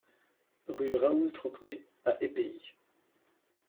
Rue Raoul Trocmé à Épehy